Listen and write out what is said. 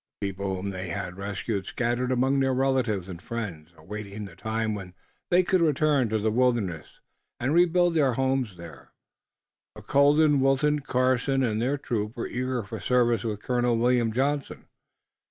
The people whom they had rescued scattered among their relatives and friends, awaiting the time when they could return to the wilderness, and rebuild their homes there, but Colden, Wilton, Carson and their troop were eager for service with Colonel William Johnson.